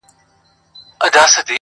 چا د غرونو چا د ښار خواته ځغستله -